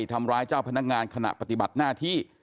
ทำร้ายเจ้าพนักงานขณะปฏิบัติหน้าที่